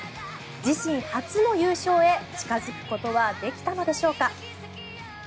自身初の優勝へ近付くことはできたのでしょうか。